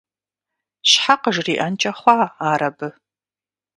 Щхьэ къыжриӀэнкӀэ хъуа ар абы?